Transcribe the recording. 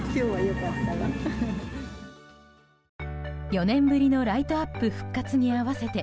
４年ぶりのライトアップ復活に合わせて